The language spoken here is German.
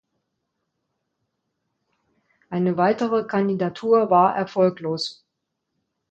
Eine weitere Kandidatur war erfolglos.